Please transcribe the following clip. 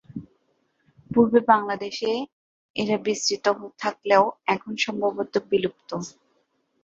পূর্বে বাংলাদেশে এরা বিস্তৃত থাকলেও এখন সম্ভবত বিলুপ্ত।